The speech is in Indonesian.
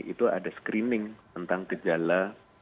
itu ada screening tentang gejala